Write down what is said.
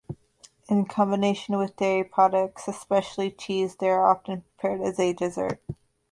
In combination with dairy products especially cheese, they are often prepared as a dessert.